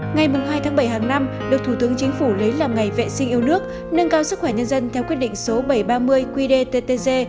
ngày hai tháng bảy hàng năm được thủ tướng chính phủ lấy làm ngày vệ sinh yêu nước nâng cao sức khỏe nhân dân theo quyết định số bảy trăm ba mươi qdttg